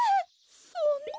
そんな。